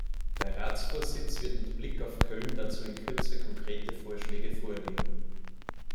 Der Ratsvorsitz wird mit Blick auf Köln dazu in Kürze konkrete Vorschläge vorlegen.